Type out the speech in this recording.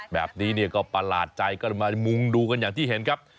แบบนี้เนี่ยก็ประหลาดใจก็เลยมามุงดูกันอย่างที่เห็นครับ